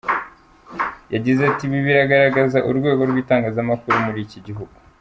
Yagize ati: “Ibi biragaragaza urwego rw’itangazamakuru muri iki gihugu.